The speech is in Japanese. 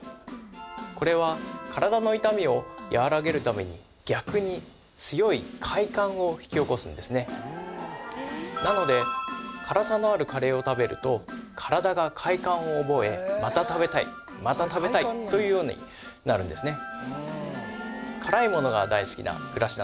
これは体の痛みを和らげるために逆に強い快感を引き起こすんですねなので辛さのあるカレーを食べると体が快感を覚えまた食べたいまた食べたいというようになるんですね